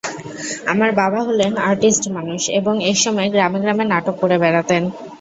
আমার বাবা হলেন আর্টিস্ট মানুষ এবং একসময় গ্রামে গ্রামে নাটক করে বেড়াতেন।